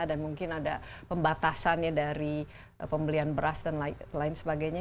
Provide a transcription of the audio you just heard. dan mungkin ada pembatasannya dari pembelian beras dan lain sebagainya